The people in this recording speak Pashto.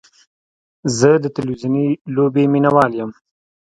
زه د تلویزیوني لوبې مینهوال یم.